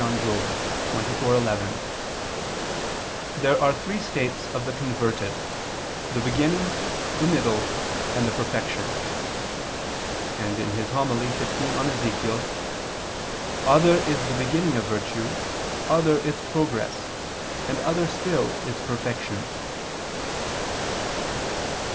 xxiv, 11): "There are three states of the converted, the beginning, the middle, and the perfection"; and (Hom. xv in Ezech.): "Other is the beginning of virtue, other its progress, and other still its perfection."